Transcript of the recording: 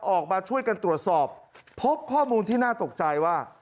ออกมาช่วยกันตรวจสอบพบข้อมูลที่น่าตกใจว่า